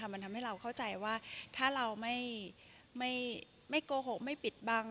มันทำให้เราเข้าใจว่าถ้าเราไม่โกหกไม่ปิดบัง